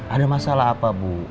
ada masalah apa bu